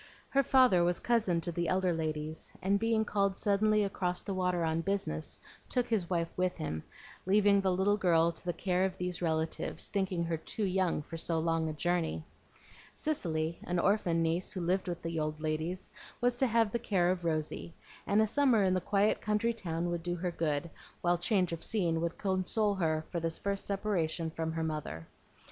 Her father was cousin to the elder ladies, and being called suddenly across the water on business, took his wife with him, leaving the little girl to the care of these relatives, thinking her too young for so long a journey. Cicely, an orphan niece who lived with the old ladies, was to have the care of Rosy; and a summer in the quiet country town would do her good, while change of scene would console her for this first separation from her mother.